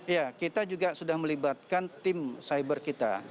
ya kita juga sudah melibatkan tim cyber kita